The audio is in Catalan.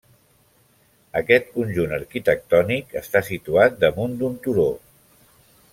Aquest conjunt arquitectònic està situat damunt d'un turó.